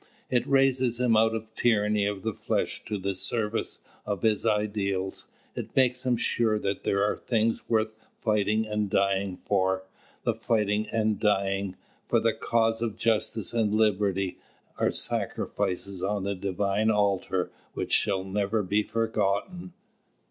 It raises him out of the tyranny of the flesh to the service of his ideals. It makes him sure that there are things worth fighting and dying for. The fighting and the dying, for the cause of justice and liberty, are sacrifices on the Divine altar which shall never be forgotten.